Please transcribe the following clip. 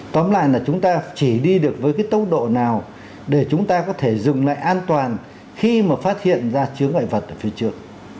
tóm lại là chúng ta chỉ đi được với cái tốc độ nào để chúng ta có thể dừng lại an toàn khi mà phát hiện ra chứa ngại vật ở phía trước